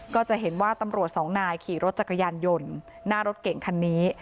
ก็จะเห็นว่าตำรวจสองนายขี่รถจักรยานยนต์หน้ารถเก่งคันนี้